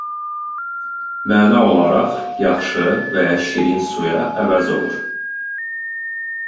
Məna olaraq yaxşı və ya şirin suya əvəz olur.